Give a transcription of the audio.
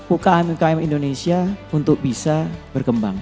ukm ukm indonesia untuk bisa berkembang